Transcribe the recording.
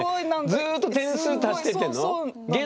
ずっと点数足してってんの？